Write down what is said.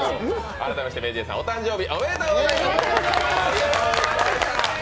改めてＭａｙＪ．さんお誕生日おめでとうございます。